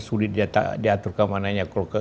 sulit diatur keamanannya